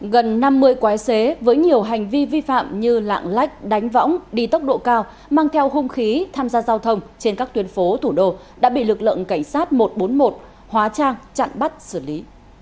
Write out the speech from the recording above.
gần năm mươi quái xế với nhiều hành vi vi phạm như lạng lách đánh võng đi tốc độ cao mang theo hung khí tham gia giao thông trên các tuyến phố thủ đô đã bị lực lượng cảnh sát một trăm bốn mươi một hóa trang chặn bắt xử lý